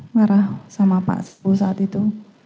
marah sama pak kapol saat itu